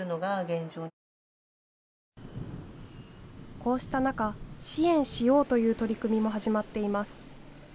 こうした中、支援しようという取り組みも始まっています。